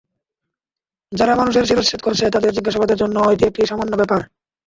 যারা মানুষের শিরশ্ছেদ করছে, তাদের জিজ্ঞাসাবাদের জন্য এটি একটি সামান্য ব্যাপার।